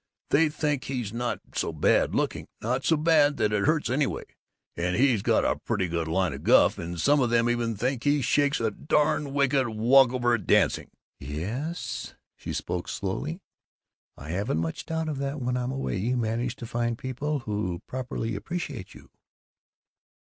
They think he's not so bad looking, not so bad that it hurts anyway, and he's got a pretty good line of guff, and some even think he shakes a darn wicked Walkover at dancing!" "Yes." She spoke slowly. "I haven't much doubt that when I'm away you manage to find people who properly appreciate you."